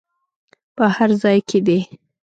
په هر ځای کې دې.